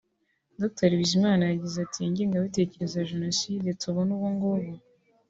Dr Bizimana yagize ati”Ingengabitekerezo ya Jenoside tubona ubu ngubu